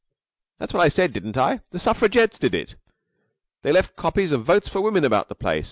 "That's what I said, didn't I? The suffragettes did it. They left copies of 'Votes for Women' about the place.